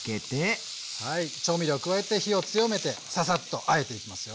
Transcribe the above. はい調味料加えて火を強めてササッとあえていきますよ。